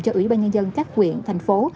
cho ủy ban nhân dân các quyện thành phố